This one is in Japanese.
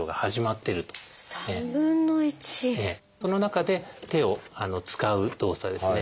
その中で手を使う動作ですね。